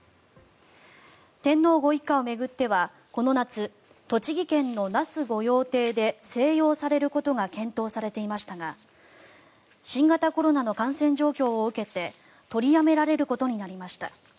天皇ご一家を巡ってはこの夏、栃木県の那須御用邸で静養されることが検討されていましたが新型コロナの感染状況を受けて取りやめられることになりました。